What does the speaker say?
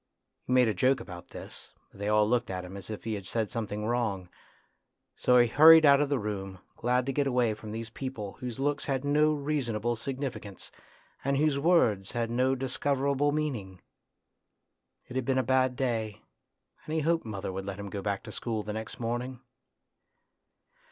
He made a joke about this, but they all looked at him as if he had said something wrong, so he hurried out of the room, glad to get away from these people whose looks had no reasonable signifi cance, and whose words had no discoverable meaning. It had been a bad day, and he hoped mother would let him go back to school the next morning.